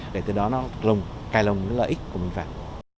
để từ đó nó cài lồng lợi ích của mình vào